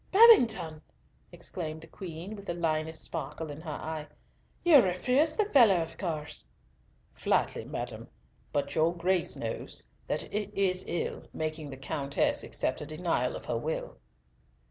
"Babington!" exclaimed the Queen, with the lioness sparkle in her eye. "You refused the fellow of course?" "Flatly, madam, but your Grace knows that it is ill making the Countess accept a denial of her will."